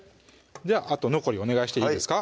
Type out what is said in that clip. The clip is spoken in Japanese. あと残りお願いしていいですか？